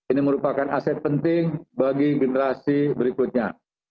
ini merupakan aset penting bagi generasi berikutnya